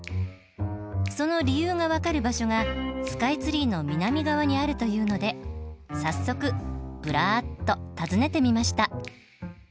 その理由が分かる場所がスカイツリーの南側にあるというので早速ブラッと訪ねてみました。